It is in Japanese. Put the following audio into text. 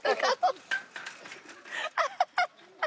アハハハ！